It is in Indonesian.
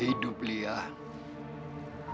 liat terus lo omongan kakek